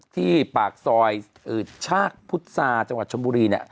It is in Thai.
ที่ปากซอยชากพุษาจังหวัดชนบุรี